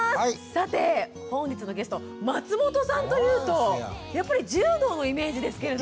さて本日のゲスト松本さんというとやっぱり柔道のイメージですけれども。